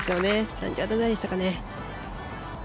４０ヤードくらいでしたかね。